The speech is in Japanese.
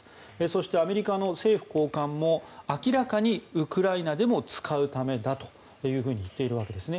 そして、アメリカの政府高官も明らかにウクライナでも使うためだと言っているわけです。